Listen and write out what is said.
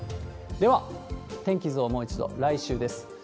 では、天気図をもう一度、来週です。